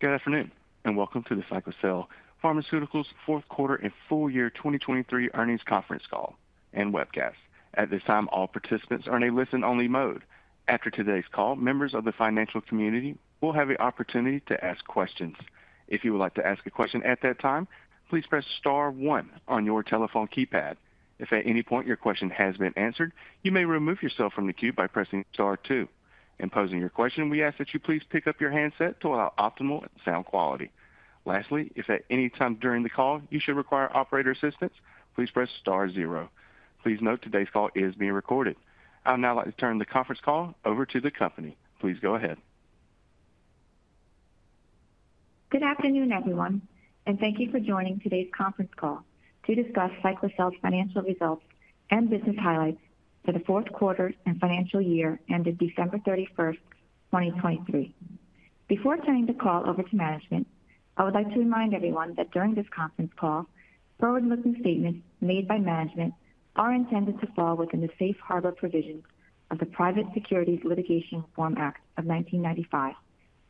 Good afternoon and welcome to the Cyclacel Pharmaceuticals fourth quarter and full year 2023 earnings conference call and webcast. At this time, all participants are in a listen-only mode. After today's call, members of the financial community will have the opportunity to ask questions. If you would like to ask a question at that time, please press star one on your telephone keypad. If at any point your question has been answered, you may remove yourself from the queue by pressing star two. In posing your question, we ask that you please pick up your handset to allow optimal sound quality. Lastly, if at any time during the call you should require operator assistance, please press star zero. Please note today's call is being recorded. I would now like to turn the conference call over to the company. Please go ahead. Good afternoon, everyone, and thank you for joining today's conference call to discuss Cyclacel's financial results and business highlights for the fourth quarter and financial year ended December 31st, 2023. Before turning the call over to management, I would like to remind everyone that during this conference call, forward-looking statements made by management are intended to fall within the safe harbor provisions of the Private Securities Litigation Reform Act of 1995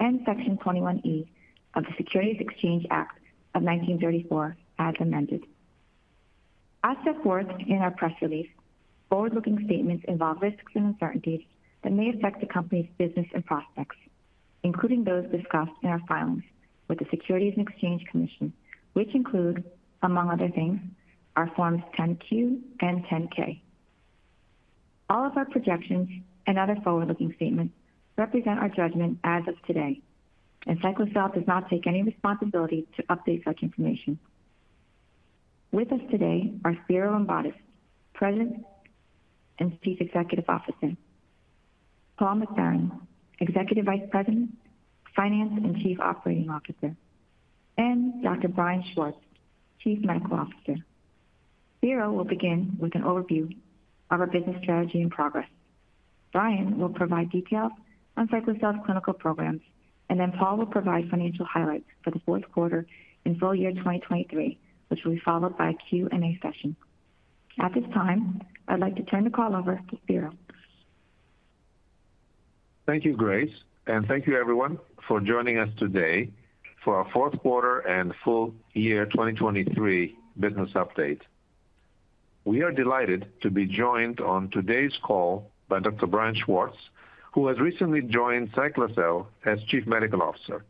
and Section 21E of the Securities Exchange Act of 1934 as amended. As set forth in our press release, forward-looking statements involve risks and uncertainties that may affect the company's business and prospects, including those discussed in our filings with the Securities and Exchange Commission, which include, among other things, our Forms 10-Q and 10-K. All of our projections and other forward-looking statements represent our judgment as of today, and Cyclacel does not take any responsibility to update such information. With us today are Spiro Rombotis, President and Chief Executive Officer, Paul McBarron, Executive Vice President, Finance and Chief Operating Officer, and Dr. Brian Schwartz, Chief Medical Officer. Spiro will begin with an overview of our business strategy and progress. Brian will provide details on Cyclacel's clinical programs, and then Paul will provide financial highlights for the fourth quarter and full year 2023, which will be followed by a Q&A session. At this time, I'd like to turn the call over to Spiro. Thank you, Grace, and thank you, everyone, for joining us today for our fourth quarter and full year 2023 business update. We are delighted to be joined on today's call by Dr. Brian Schwartz, who has recently joined Cyclacel as Chief Medical Officer.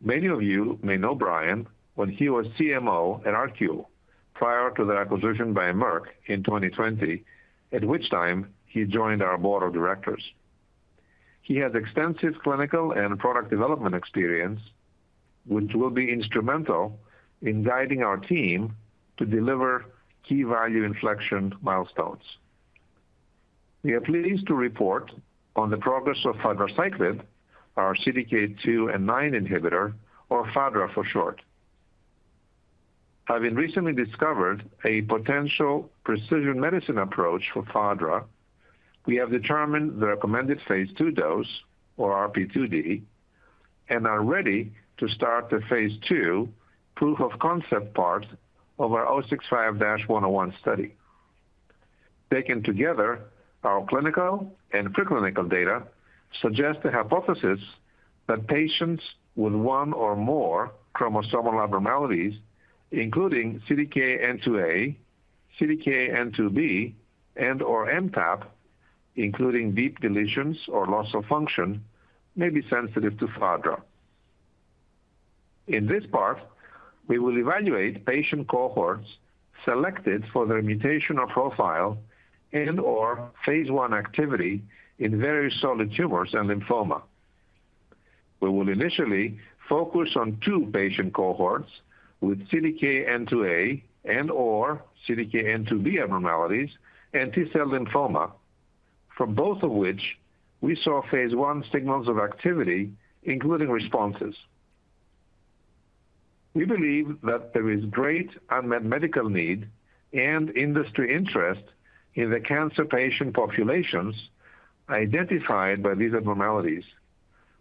Many of you may know Brian when he was CMO at ArQule prior to the acquisition by Merck in 2020, at which time he joined our board of directors. He has extensive clinical and product development experience, which will be instrumental in guiding our team to deliver key value inflection milestones. We are pleased to report on the progress of fadraciclib, our CDK2 and CDK9 inhibitor, or Fadra for short. Having recently discovered a potential precision medicine approach for Fadra, we have determined the recommended phase 2 dose, or Rp2D, and are ready to start the phase 2 proof of concept part of our 065-101 study. Taken together, our clinical and preclinical data suggest a hypothesis that patients with one or more chromosomal abnormalities, including CDKN2A, CDKN2B, and/or MTAP, including deep deletions or loss of function, may be sensitive to Fadra. In this part, we will evaluate patient cohorts selected for their mutational profile and/or phase one activity in various solid tumors and lymphoma. We will initially focus on two patient cohorts with CDKN2A and/or CDKN2B abnormalities and T-cell lymphoma, from both of which we saw phase one signals of activity, including responses. We believe that there is great unmet medical need and industry interest in the cancer patient populations identified by these abnormalities,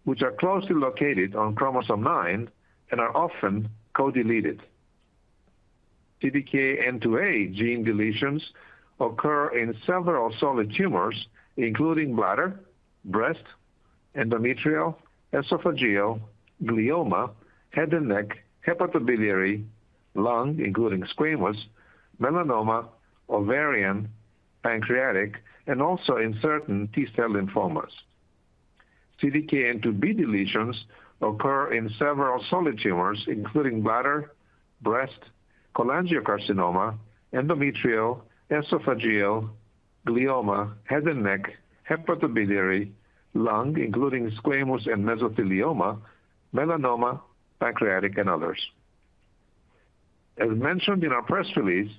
which are closely located on chromosome 9 and are often co-deleted. CDKN2A gene deletions occur in several solid tumors, including bladder, breast, endometrial, esophageal, glioma, head and neck, hepatobiliary, lung, including squamous, melanoma, ovarian, pancreatic, and also in certain T-cell lymphomas. CDKN2B deletions occur in several solid tumors, including bladder, breast, cholangiocarcinoma, endometrial, esophageal, glioma, head and neck, hepatobiliary, lung, including squamous and mesothelioma, melanoma, pancreatic, and others. As mentioned in our press release,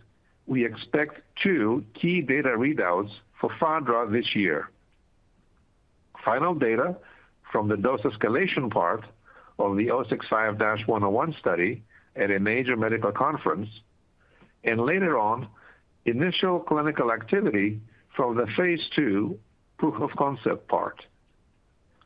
we expect 2 key data readouts for Fadra this year: final data from the dose escalation part of the 065-101 study at a major medical conference, and later on, initial clinical activity from the phase 2 proof of concept part.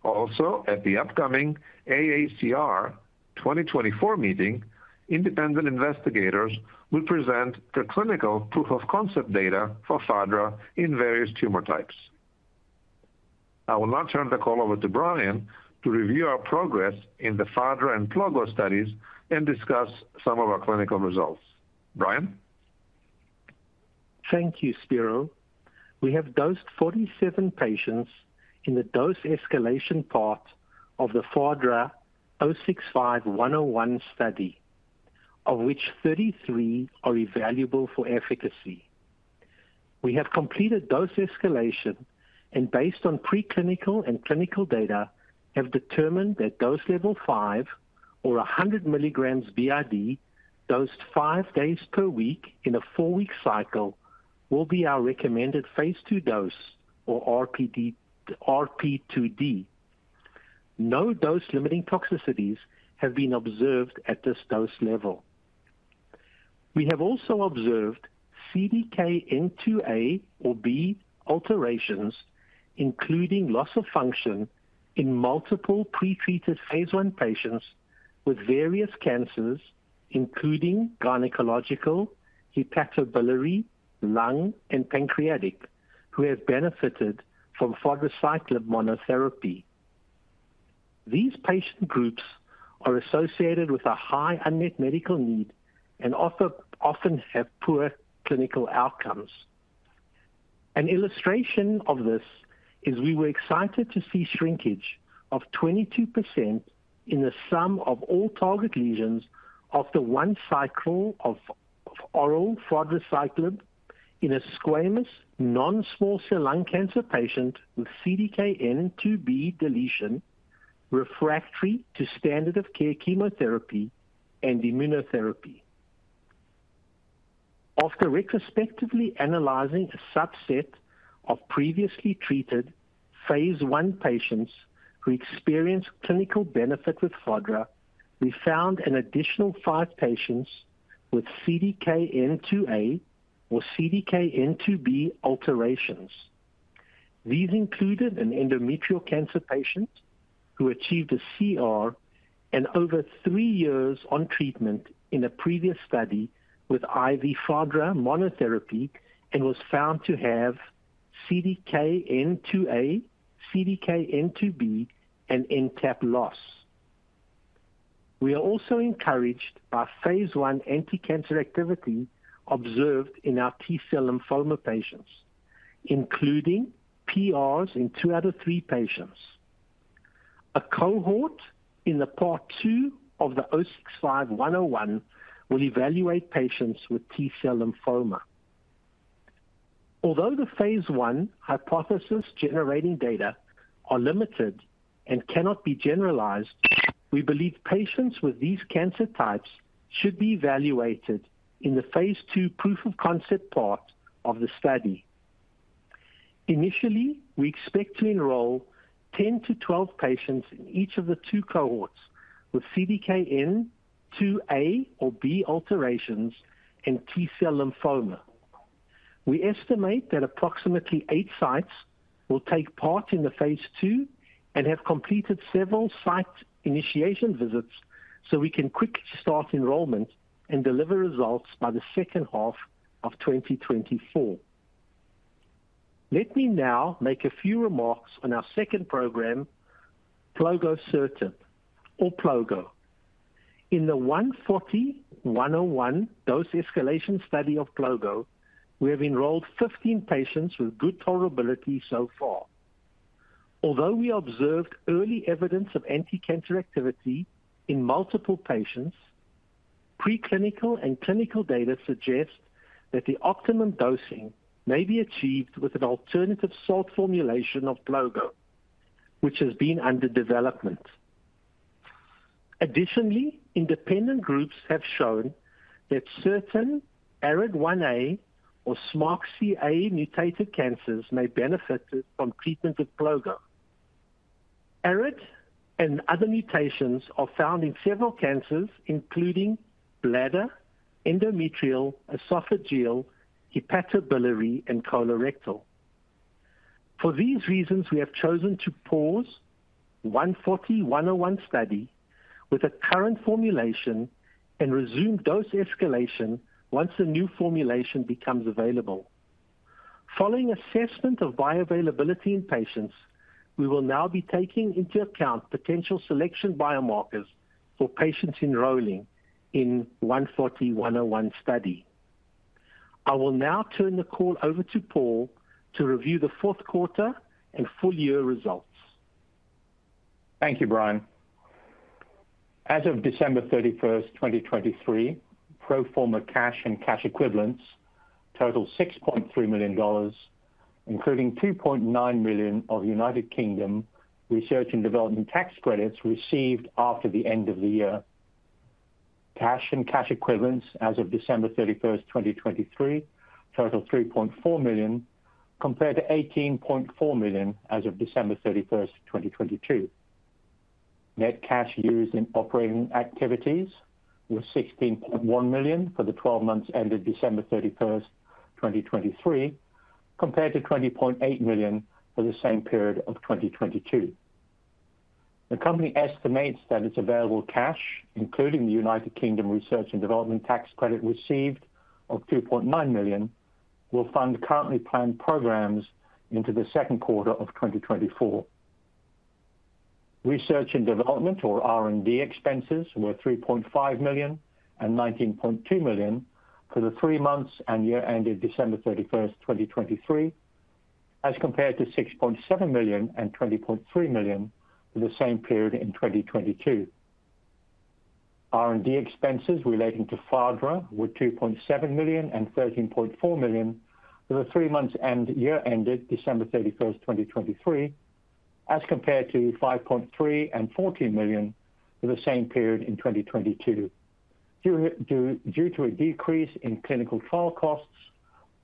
Also, at the upcoming AACR 2024 meeting, independent investigators will present preclinical proof of concept data for Fadra in various tumor types. I will now turn the call over to Brian to review our progress in the Fadra and Ploza studies and discuss some of our clinical results. Brian? Thank you, Spiro. We have dosed 47 patients in the dose escalation part of the Fadra 065-101 study, of which 33 are evaluable for efficacy. We have completed dose escalation and, based on preclinical and clinical data, have determined that dose level 5, or 100 mg b.i.d., dosed 5 days per week in a 4-week cycle will be our recommended phase 2 dose, or Rp2D. No dose-limiting toxicities have been observed at this dose level. We have also observed CDKN2A or B alterations, including loss of function in multiple pretreated phase 1 patients with various cancers, including gynecological, hepatobiliary, lung, and pancreatic, who have benefited from fadraciclib monotherapy. These patient groups are associated with a high unmet medical need and often have poor clinical outcomes. An illustration of this is we were excited to see shrinkage of 22% in the sum of all target lesions of the one cycle of oral fadraciclib in a squamous, non-small cell lung cancer patient with CDKN2B deletion refractory to standard-of-care chemotherapy and immunotherapy. After retrospectively analyzing a subset of previously treated phase one patients who experienced clinical benefit with Fadra, we found an additional five patients with CDKN2A or CDKN2B alterations. These included an endometrial cancer patient who achieved a CR and over three years on treatment in a previous study with IV Fadra monotherapy and was found to have CDKN2A, CDKN2B, and MTAP loss. We are also encouraged by phase one anticancer activity observed in our T-cell lymphoma patients, including PRs in two out of three patients. A cohort in the part two of the 065-101 will evaluate patients with T-cell lymphoma. Although the phase 1 hypothesis generating data are limited and cannot be generalized, we believe patients with these cancer types should be evaluated in the phase 2 proof of concept part of the study. Initially, we expect to enroll 10 to 12 patients in each of the two cohorts with CDKN2A or B alterations and T-cell lymphoma. We estimate that approximately eight sites will take part in the phase 2 and have completed several site initiation visits so we can quickly start enrollment and deliver results by the second half of 2024. Let me now make a few remarks on our second program, plozasertib, or PLOGO. In the 140-101 dose escalation study of PLOGO, we have enrolled 15 patients with good tolerability so far. Although we observed early evidence of anticancer activity in multiple patients, preclinical and clinical data suggest that the optimum dosing may be achieved with an alternative salt formulation of PLOGO, which has been under development. Additionally, independent groups have shown that certain ARID1A or SMARCA4 mutated cancers may benefit from treatment with PLOGO. ARID and other mutations are found in several cancers, including bladder, endometrial, esophageal, hepatobiliary, and colorectal. For these reasons, we have chosen to pause 140-101 study with the current formulation and resume dose escalation once a new formulation becomes available. Following assessment of bioavailability in patients, we will now be taking into account potential selection biomarkers for patients enrolling in 140-101 study. I will now turn the call over to Paul to review the fourth quarter and full year results. Thank you, Brian. As of December 31st, 2023, pro forma cash and cash equivalents total $6.3 million, including $2.9 million of United Kingdom research and development tax credits received after the end of the year. Cash and cash equivalents as of December 31st, 2023, total $3.4 million, compared to $18.4 million as of December 31st, 2022. Net cash used in operating activities was $16.1 million for the 12 months ended December 31st, 2023, compared to $20.8 million for the same period of 2022. The company estimates that its available cash, including the United Kingdom research and development tax credit received of $2.9 million, will fund currently planned programs into the second quarter of 2024. Research and development, or R&D, expenses were $3.5 million and $19.2 million for the three months and year ended December 31st, 2023, as compared to $6.7 million and $20.3 million for the same period in 2022. R&D expenses relating to Fadra were $2.7 million and $13.4 million for the three months and year ended December 31st, 2023, as compared to $5.3 million and $14 million for the same period in 2022 due to a decrease in clinical trial costs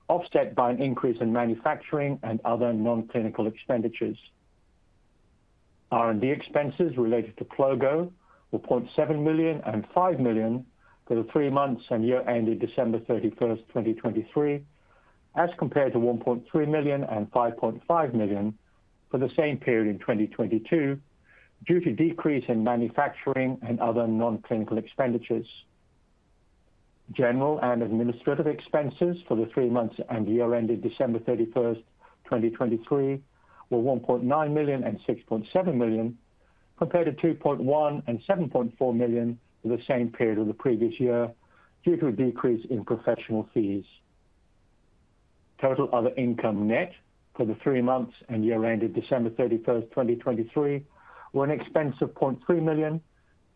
offset by an increase in manufacturing and other non-clinical expenditures. R&D expenses related to PLOGO were $0.7 million and $5 million for the three months and year ended December 31st, 2023, as compared to $1.3 million and $5.5 million for the same period in 2022 due to decrease in manufacturing and other non-clinical expenditures. General and administrative expenses for the three months and year ended December 31st, 2023, were $1.9 million and $6.7 million compared to $2.1 million and $7.4 million for the same period of the previous year due to a decrease in professional fees. Total other income net for the three months and year ended December 31st, 2023, were an expense of $0.3 million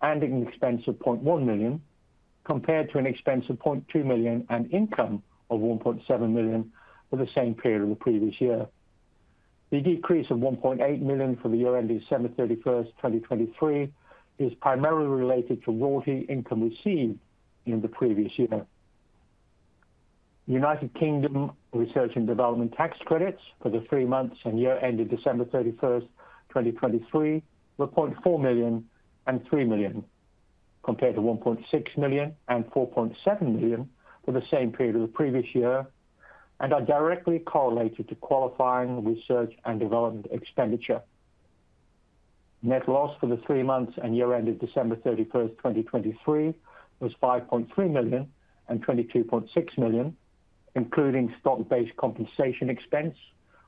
and an expense of $0.1 million compared to an expense of $0.2 million and income of $1.7 million for the same period of the previous year. The decrease of $1.8 million for the year ended December 31st, 2023, is primarily related to royalty income received in the previous year. United Kingdom research and development tax credits for the three months and year ended December 31st, 2023, were $0.4 million and $3 million compared to $1.6 million and $4.7 million for the same period of the previous year and are directly correlated to qualifying research and development expenditure. Net loss for the three months and year ended December 31st, 2023, was $5.3 million and $22.6 million, including stock-based compensation expense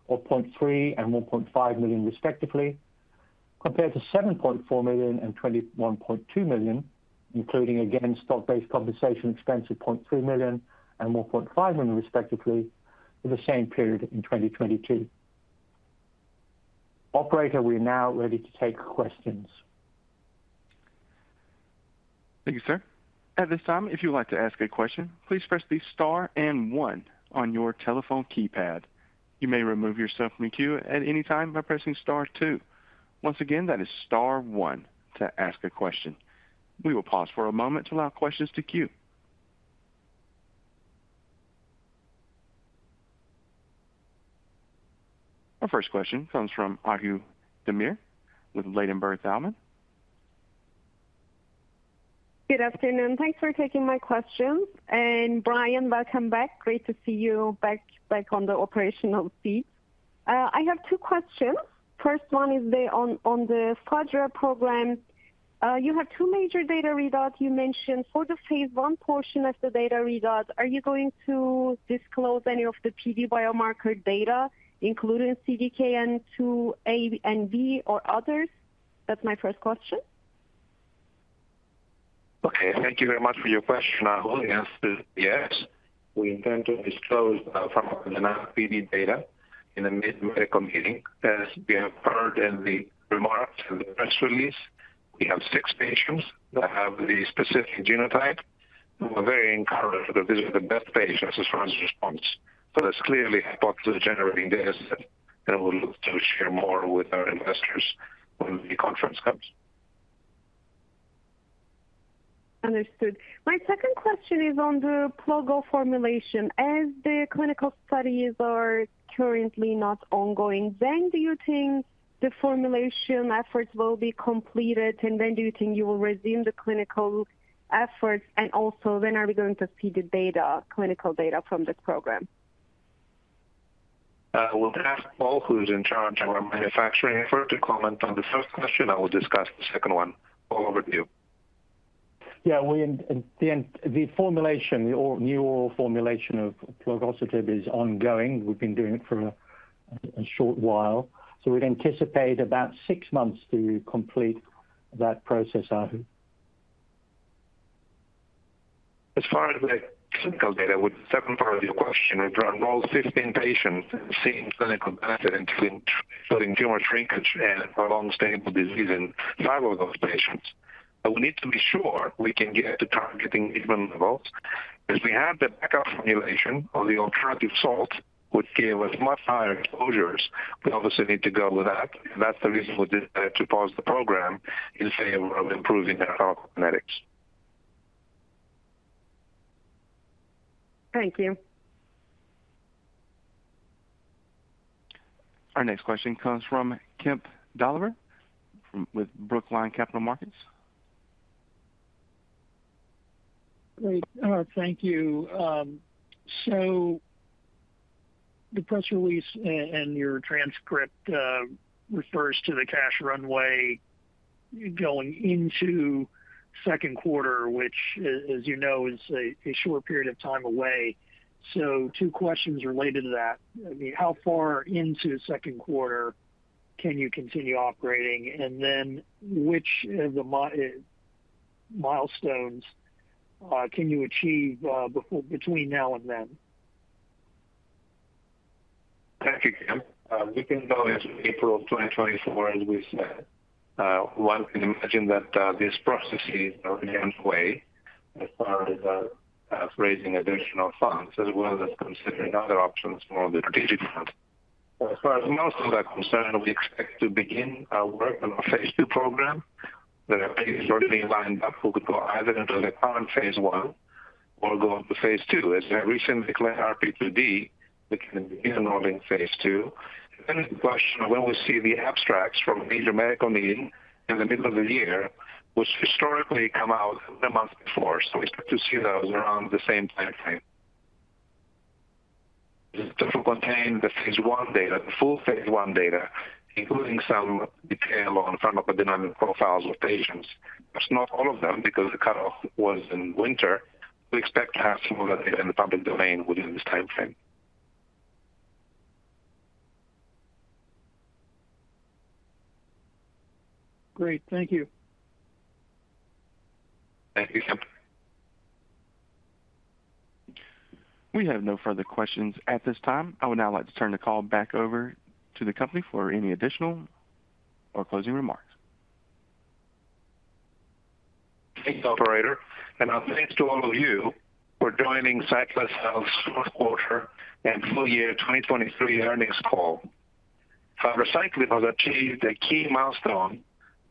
of $0.3 million and $1.5 million, respectively, compared to $7.4 million and $21.2 million, including, again, stock-based compensation expense of $0.3 million and $1.5 million, respectively, for the same period in 2022. Operator, we are now ready to take questions. Thank you, sir. At this time, if you would like to ask a question, please press the star and one on your telephone keypad. You may remove yourself from the queue at any time by pressing star two. Once again, that is star one to ask a question. We will pause for a moment to allow questions to queue. Our first question comes from Ahu Demir with Ladenburg Thalmann. Good afternoon. Thanks for taking my questions. And Brian, welcome back. Great to see you back on the operational seat. I have 2 questions. First one is on the Fadra program. You have 2 major data readouts. You mentioned for the phase 1 portion of the data readouts, are you going to disclose any of the PD biomarker data, including CDKN2A and CDKN2B or others? That's my first question. Okay. Thank you very much for your question, Ahu. Yes, we intend to disclose some of the non-PD data in a mid-medical meeting. As we have heard in the remarks and the press release, we have six patients that have the specific genotype who are very encouraged because these are the best patients as far as response. So that's clearly hypothesis-generating dataset, and we'll look to share more with our investors when the conference comes. Understood. My second question is on the PLOGO formulation. As the clinical studies are currently not ongoing, when do you think the formulation efforts will be completed, and when do you think you will resume the clinical efforts? And also, when are we going to see the data, clinical data, from this program? We'll ask Paul, who's in charge of our manufacturing effort, to comment on the first question. I will discuss the second one. Paul, over to you. Yeah. We're in the formulation, the new oral formulation of plozasertib is ongoing. We've been doing it for a short while. So we'd anticipate about six months to complete that process, Ahu. As far as the clinical data, with the second part of your question, we've enrolled 15 patients seeing clinical benefit including tumor shrinkage and prolonged stable disease in five of those patients. But we need to be sure we can get to targeting treatment levels. As we have the backup formulation of the alternative salt, which gave us much higher exposures, we obviously need to go with that. That's the reason we decided to pause the program in favor of improving their pharmacokinetics. Thank you. Our next question comes from Kemp Doliver with Brookline Capital Markets. Great. Thank you. So the press release and your transcript refers to the cash runway going into second quarter, which, as you know, is a short period of time away. So two questions related to that. I mean, how far into second quarter can you continue operating? And then which of the milestones can you achieve between now and then? Thank you, Kemp. Looking now into April of 2024, as we said, one can imagine that this process is already underway as far as raising additional funds as well as considering other options for the strategic front. As far as most of that concerns, we expect to begin our work on our phase two program. There are patients already lined up who could go either into the current phase one or go into phase two. As I recently declared RP2D, we can begin enrolling phase two. And then the question of when we see the abstracts from a major medical meeting in the middle of the year, which historically come out a month before. So we expect to see those around the same timeframe. This is to contain the phase one data, the full phase one data, including some detail on pharmacodynamic profiles of patients. That's not all of them because the cutoff was in winter. We expect to have some of that data in the public domain within this timeframe. Great. Thank you. Thank you, Kemp. We have no further questions at this time. I would now like to turn the call back over to the company for any additional or closing remarks. Thanks, Operator. And thanks to all of you for joining Cyclacel's fourth quarter and full year 2023 earnings call. Cyclacel has achieved a key milestone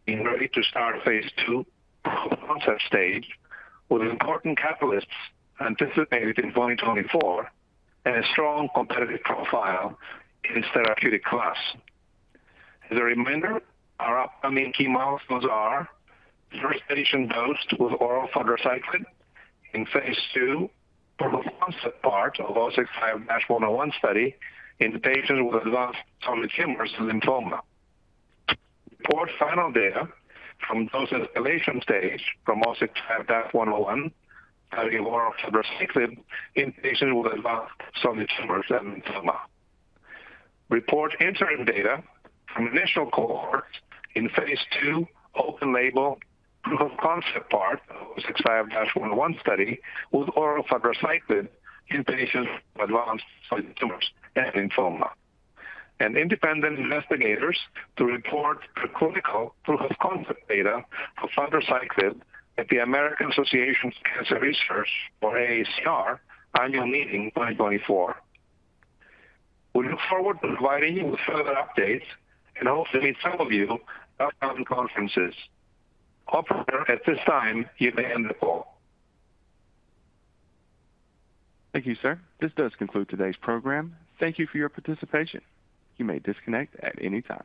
is ready to start phase 2 proof of concept stage with important catalysts anticipated in 2024 and a strong competitive profile in its therapeutic class. As a reminder, our upcoming key milestones are first patient dosed with oral fadraciclib in phase 2 proof of concept part of 065-101 study in patients with advanced solid tumors and lymphoma. Report final data from dose escalation stage from 065-101 study of oral fadraciclib in patients with advanced solid tumors and lymphoma. Report interim data from initial cohorts in phase 2 open-label proof of concept part of 065-101 study with oral fadraciclib in patients with advanced solid tumors and lymphoma. Independent investigators to report preclinical proof of concept data for fadraciclib at the American Association for Cancer Research, or AACR, annual meeting 2024. We look forward to providing you with further updates and hope to meet some of you upcoming conferences. Operator, at this time, you may end the call. Thank you, sir. This does conclude today's program. Thank you for your participation. You may disconnect at any time.